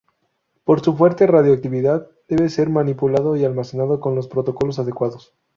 Por su fuerte radiactividad, debe ser manipulado y almacenado con los protocolos adecuados.